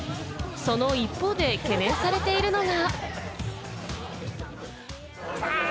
その一方で懸念されているのが。